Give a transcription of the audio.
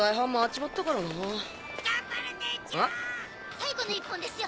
最後の１本ですよ